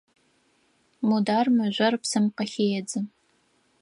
Мудар мыжъор псым къыхедзы.